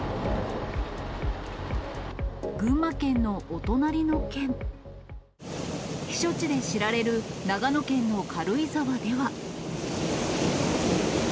群馬県のお隣の県、避暑地で知られる長野県の軽井沢では。